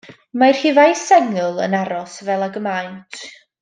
Mae rhifau sengl yn aros fel ag y maent.